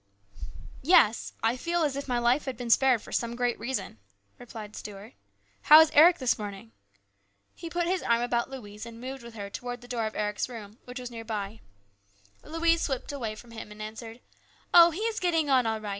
" Yes, I feel as if my life had been spared for some great reason," replied Stuart. " How is Eric this morning ?" He put his arm about Louise and moved with her towards the door of Eric's room, which was near by. Louise slipped away from him and answered, " Oh, he is getting on all right.